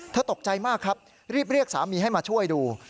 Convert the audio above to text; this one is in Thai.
ตกใจมากครับรีบเรียกสามีให้มาช่วยดู